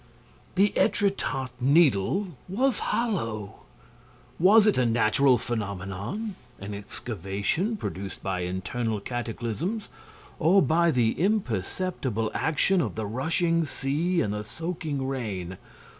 The Étretat Needle was hollow! Was it a natural phenomenon, an excavation produced by internal cataclysms or by the imperceptible action of the rushing sea and the soaking rain?